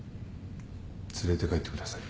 連れて帰ってください。